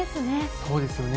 そうですよね。